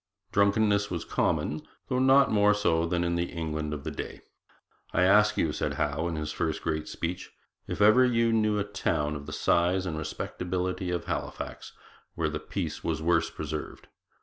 Drunkenness was common, though not more so than in the England of that day. 'I ask you,' said Howe in his first great speech, 'if ever you knew a town of the size and respectability of Halifax where the peace was worse preserved?